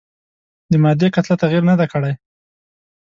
د مادې کتله تغیر نه دی کړی.